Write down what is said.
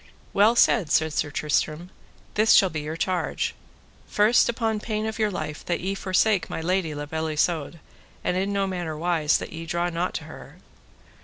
Well said, said Sir Tristram, this shall be your charge. First, upon pain of your life that ye forsake my lady La Beale Isoud, and in no manner wise that ye draw not to her.